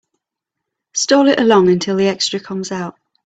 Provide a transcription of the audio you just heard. Stall it along until the extra comes out.